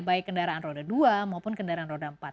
baik kendaraan roda dua maupun kendaraan roda empat